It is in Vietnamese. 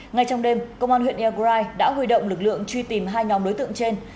ngay trong đêm công an huyện iagrai đã huy động lực lượng truy tìm hai nhóm đối tượng trên